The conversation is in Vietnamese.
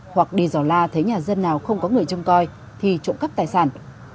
hoặc đi giỏ la thấy nhà dân nào không có người chung coi thì trộm cắp tài sản